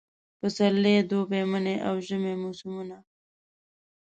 پسرلی، دوبی، منی اوژمی موسمونه